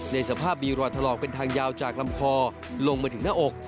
ในสภาพมีรอยถลอกเป็นทางยาวจากลำคอลงมาถึงหน้าอก